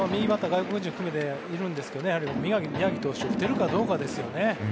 外国人も含めているんですけど宮城投手、打てるかどうかですよね。